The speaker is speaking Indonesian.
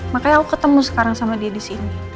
makanya aku ketemu sekarang sama dia di sini